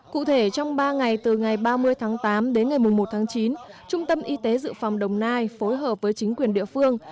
cụ thể trong ba ngày từ ngày ba mươi tháng tám đến ngày một tháng chín trung tâm y tế dự phòng đồng nai phối hợp với chính quyền địa phương